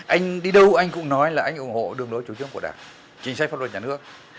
anh đi đâu anh cũng nói là anh ủng hộ đường lối chủ trương của đảng chính sách pháp luật nhà nước